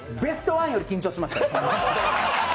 ベスト１より緊張しました。